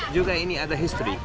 juga ini ada history